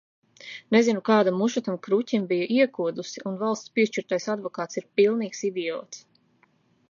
Nezinu, kāda muša tam kruķim bija iekodusi, un valsts piešķirtais advokāts ir pilnīgs idiots!